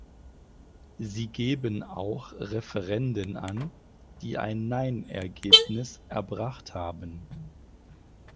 Sie geben auch Referenden an, die ein "Nein"Ergebnis erbracht haben.